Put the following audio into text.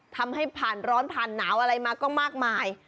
ทำให้ผ่านร้อนผ่านหนาวอะไรมาก็มากมาย